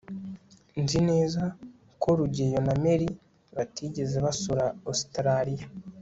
nzi neza ko rugeyo na mary batigeze basura ositaraliya